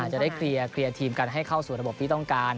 จะได้เคลียร์ทีมกันให้เข้าสู่ระบบที่ต้องการ